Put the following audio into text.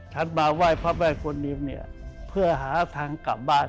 ฉันมาไหว้พระแม่คนนี้เพื่อหาทางกลับบ้าน